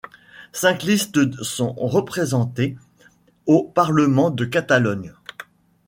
Cinq listes sont représentées au Parlement de Catalogne.